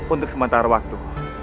untuk sementara waktu